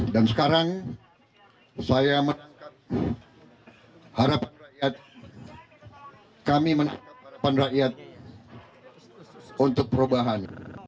dan sekarang saya menangkap harapan rakyat kami menangkap harapan rakyat untuk perubahan